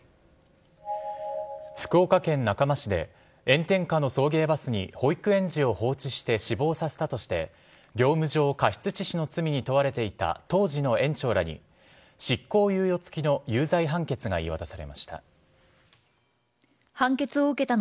福岡県中間市で、炎天下の送迎バスに保育園児を放置して死亡させたとして、業務上過失致死の罪に問われていた当時の園長らに執行猶予付きの有罪判決が言い渡されました。